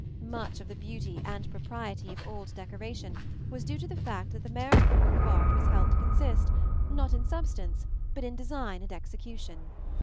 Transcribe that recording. Much of the beauty and propriety of old decoration was due to the fact that the merit of a work of art was held to consist, not in substance, but in design and execution.